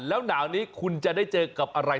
แล้วหนาวนี้คุณจะได้เจอกับอะไร